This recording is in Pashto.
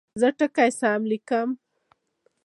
زه ټکي سم لیکم.